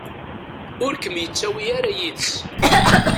Ur kem-yettawi ara yid-s